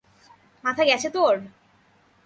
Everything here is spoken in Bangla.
মাথা গেছে তোর?